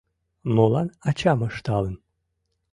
Молан ачам ышталын